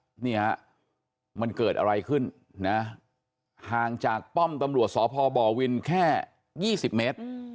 นี่ฮะมันเกิดอะไรขึ้นนะห่างจากป้อมตำรวจสพบวินแค่๒๐เมตร